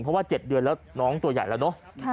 เพราะว่า๗เดือนแล้วน้องตัวใหญ่แล้วเนอะ